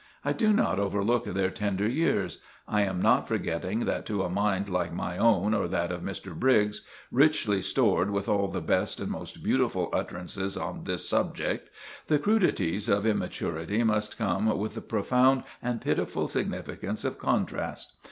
I do not overlook their tender years; I am not forgetting that to a mind like my own or that of Mr. Briggs—richly stored with all the best and most beautiful utterances on this subject—the crudities of immaturity must come with the profound and pitiful significance of contrast.